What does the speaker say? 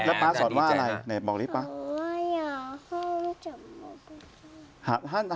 แล้วป๊าสอนว่าอะไรบอกเร็วป๊าอ๋ออย่าห้ามจับมือผู้ชาย